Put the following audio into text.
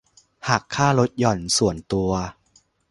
หักค่าลดหย่อนส่วนตัว